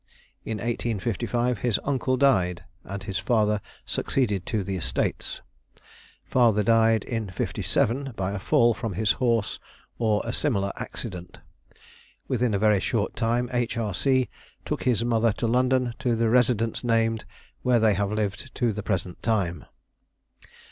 In 1855 his uncle died, and his father succeeded to the estates. Father died in '57 by a fall from his horse or a similar accident. Within a very short time H. R. C. took his mother to London, to the residence named, where they have lived to the present time.